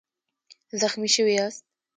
زخمي شوی یاست؟